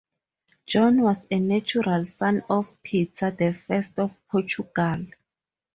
John was a natural son of Peter the First of Portugal.